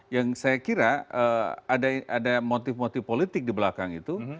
yang saya kira ada motif motif politik di belakang itu